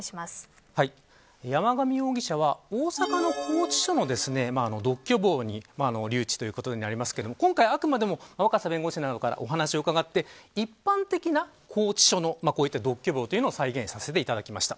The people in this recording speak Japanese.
山上容疑者は大阪の拘置所の独居房に留置ということになりますけど今回、あくまでも若狭さんから、お話を伺って一般的な拘置所の独居房を再現させていただきました。